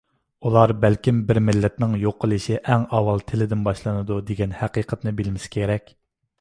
ئۇلار بەلكىم «بىر مىللەتنىڭ يوقىلىشى ئەڭ ئاۋۋال تىلىدىن باشلىنىدۇ» دېگەن ھەقىقەتنى بىلمىسە كېرەك!